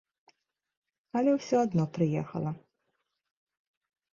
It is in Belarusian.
Але ўсё адно прыехала.